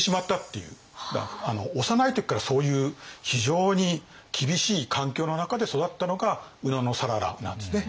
幼い時からそういう非常に厳しい環境の中で育ったのが野讃良なんですね。